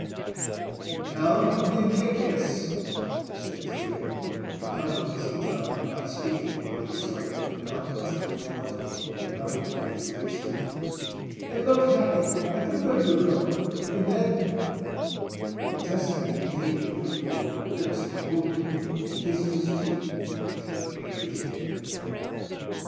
"And now you will give me a kiss," said Tito, economising time by speaking while he swept in the contents of the wallet and hung it at his waist again, "and look happy, like a good girl, and then—" But Tessa had obediently put forward her lips in a moment, and kissed his cheek as he hung down his head.